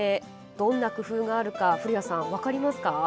どんな工夫があるか、古谷さん分かりますか？